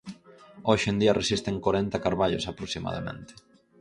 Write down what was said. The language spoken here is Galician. Hoxe en día resisten corenta carballos aproximadamente.